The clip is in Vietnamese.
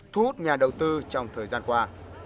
thu hút nhà đầu tư trong thời gian qua